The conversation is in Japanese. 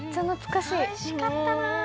おいしかったな。